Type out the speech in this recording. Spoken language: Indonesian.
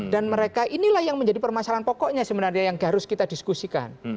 dan mereka inilah yang menjadi permasalahan pokoknya sebenarnya yang harus kita diskusikan